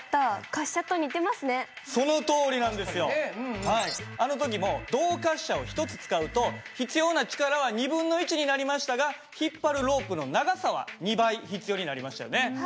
確かにねうんうん。あの時も動滑車を１つ使うと必要な力は1/2になりましたが引っ張るロープの長さは２倍必要になりましたよね。